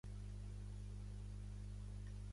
Es troba des del sud de Florida fins a Texas i Belize.